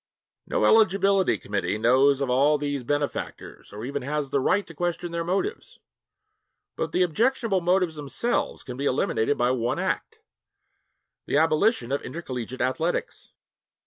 No eligibility committee knows of all these benefactors or even has the right to question their motives. But the objectionable motives themselves can be eliminated by one act the abolition of intercollegiate athletics.